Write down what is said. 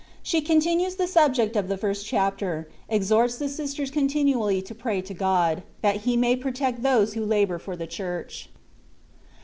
SHE CONTINUES THE SUBJECT OP THE FIRST CHAPTER, EXH0BT8 THE SISTERS CONTINUALLY TO PRAY TO GOD, THAT HE MAT PROTECT THOSE WHO LABOUR FOR THE CHURCH.